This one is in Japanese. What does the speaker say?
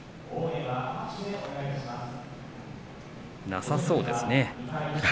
なさそうですね。